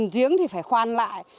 giếng thì phải khoan lại